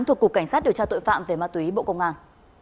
thuộc cục cảnh sát điều tra tội phạm về ma túy bộ công an